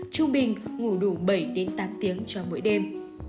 chung bình ngủ đủ bảy tám tiếng cho mỗi đêm